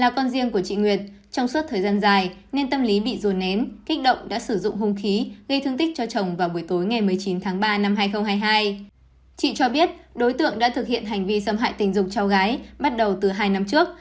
chị cho biết đối tượng đã thực hiện hành vi xâm hại tình dục cháu gái bắt đầu từ hai năm trước